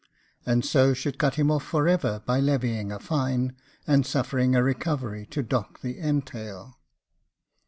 AND SO SHOULD CUT HIM OFF FOR EVER BY LEVYING A FINE, AND SUFFERING A RECOVERY TO DOCK THE ENTAIL.